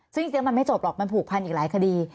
ซึ่งจริงมันไม่จบหรอกมันผูกพันอีกหลายคดี